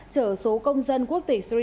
trở số công dân quốc tịch sri lanka